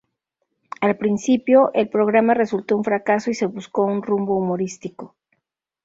Al principio, el programa resultó un fracaso y se buscó un rumbo humorístico.